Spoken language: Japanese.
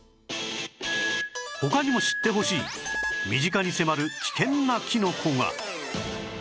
他にも知ってほしい身近に迫る危険なキノコが